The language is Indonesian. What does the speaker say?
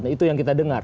itu yang kita dengar